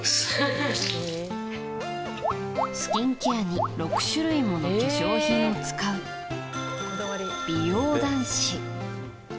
スキンケアに６種類もの化粧品を使う美容男子。